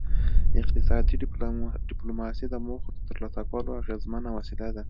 اقتصادي ډیپلوماسي د موخو د ترلاسه کولو اغیزمنه وسیله ده